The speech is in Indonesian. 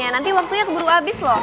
nanti waktunya keburu abis lho